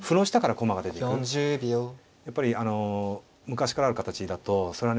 やっぱり昔からある形だとそれはね